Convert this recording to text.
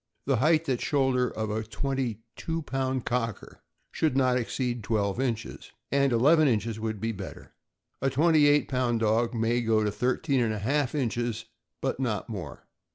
The height at shoulder of a twenty two pound Cocker should not exceed twelve inches, and eleven inches would be better. A twenty eight pound dog may go to thirteen and a half inches, but not more.